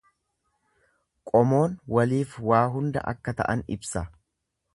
Qomoon waliif waa hunda akka ta'an ibsa.